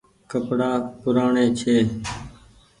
ڪپڙآ پوُرآڻي ڇي۔